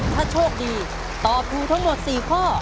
ถ้าโชคดีตอบถูกทั้งหมด๔ข้อ